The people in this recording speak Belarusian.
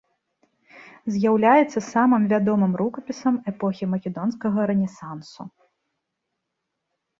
З'яўляецца самым вядомым рукапісам эпохі македонскага рэнесансу.